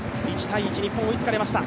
１−１、日本、追いつかれました。